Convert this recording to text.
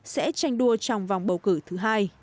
sẽ tranh đua trong vòng bầu cử thứ hai